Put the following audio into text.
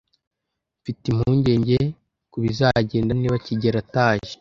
Mfite impungenge kubizagenda niba kigeli ataje.